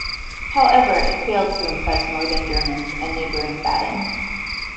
However, it failed to impress Northern Germans and neighboring Baden.